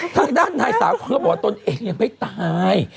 ทางด้านนายนี่พูดบอกตนเองยังไม่ตาย